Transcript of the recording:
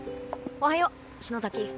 おはよう篠崎。